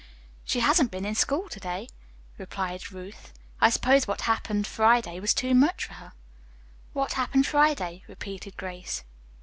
"She hasn't been in school to day," replied Ruth. "I suppose what happened Friday was too much for her." "What happened Friday?" repeated Grace.